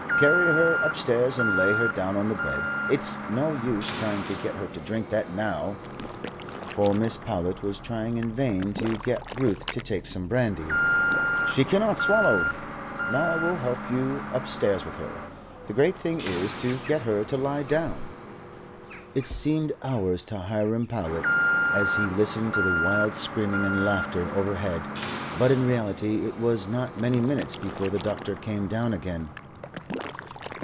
"Carry her upstairs, and lay her down on the bed; it's no use trying to get her to drink that now" for Mrs. Powlett was trying in vain to get Ruth to take some brandy "she cannot swallow. Now I will help you upstairs with her. The great thing is to get her to lie down." It seemed hours to Hiram Powlett, as he listened to the wild screaming and laughter overhead, but in reality it was not many minutes before the doctor came down again.